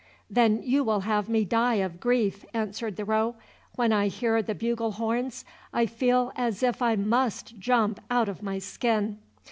"Then you will have me die of grief," answered the roe; "when I hear the bugle horns I feel as if I must jump out of my skin."